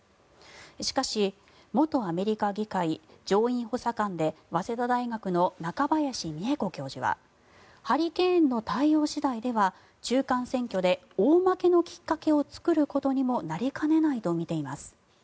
しかし元アメリカ議会上院補佐官で早稲田大学の中林美恵子教授はハリケーンの対応次第では中間選挙で大負けのきっかけを作ることにもなりかねないと見ています。